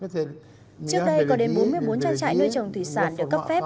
trước đây có đến bốn mươi bốn trang trại nuôi trồng thủy sản được cấp phép